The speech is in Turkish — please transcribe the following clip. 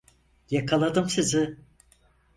Yakaladım sizi.